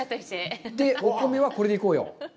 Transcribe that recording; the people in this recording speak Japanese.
お米はこれでいこうよ。